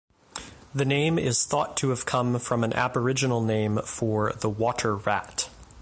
The name is thought to come from an Aboriginal name for the Water Rat.